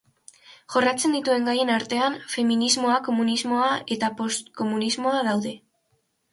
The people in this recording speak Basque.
Jorratzen dituen gaien artean, feminismoa, komunismoa eta post-komunismoa daude.